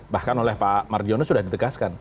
bahkan oleh pak mardiono sudah ditegaskan